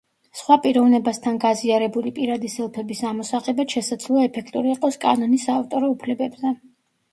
სხვა პიროვნებასთან გაზიარებული პირადი სელფების ამოსაღებად შესაძლოა, ეფექტური იყოს კანონი საავტორო უფლებებზე.